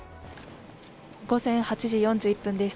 午前８時４１分です。